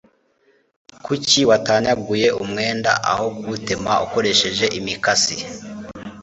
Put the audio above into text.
kuki watanyaguye umwenda aho kuwutema ukoresheje imikasi